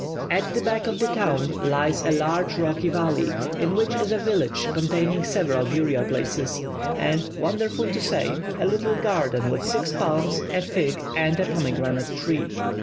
At the back of the town lies a long rocky valley, in which is a village containing several burial places, and, wonderful to say, a little garden with six palms, a fig, and a pomegranate tree.